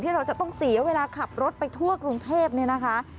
เราจะต้องเสียเวลาขับรถไปทั่วกรุงเทพเนี่ยนะคะ